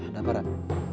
ada apa rak